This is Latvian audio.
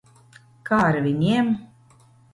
Kā ar viņiem?